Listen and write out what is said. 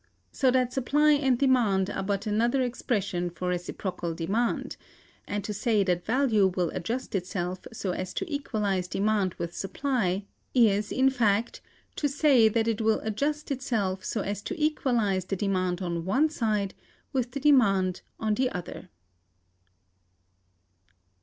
So that supply and demand are but another expression for reciprocal demand; and to say that value will adjust itself so as to equalize demand with supply, is, in fact, to say that it will adjust itself so as to equalize the demand on one side with the demand on the other.